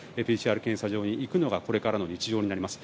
ＰＣＲ検査場に行くのがこれからの日常になります。